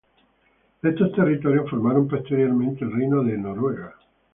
Esos territorios formaron posteriormente el reino de Noruega.